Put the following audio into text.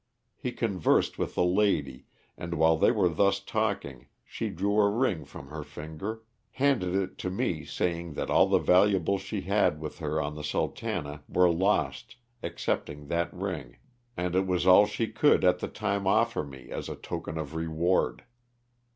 He conversed with the lady, and while they were thus talking she drew a ring from her finger, handed it to me saying that all the valuables she had with her on the '^Sultana" were lost excepting that ring, and it was all she could at the time offer me as a token of reward.